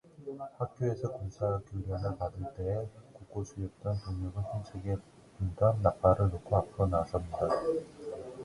학교에서 군사 교련을 받을 때에 곡호수였던 동혁은 힘차게 불던 나팔을 놓고 앞으로 나섰다.